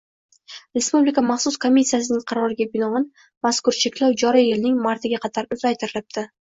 Respublika maxsus komissiyasining qaroriga binoan, mazkur cheklov joriy yilning martiga qadar uzaytirilibdi.